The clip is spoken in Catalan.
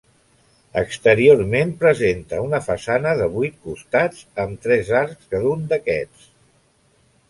Exteriorment presenta una façana de vuit costats, amb tres arcs cada un d'aquests.